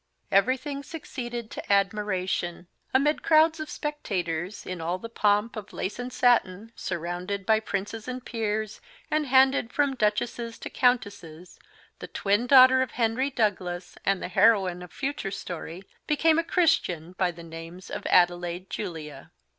Everything succeeded to admiration. Amid crowds of spectators, in all the pomp of lace and satin, surrounded by princes and peers, and handed from duchesses to countesses, the twin daughter of Henry Douglas, and the heroine of future story, became a Christian by the names of Adelaide Julia.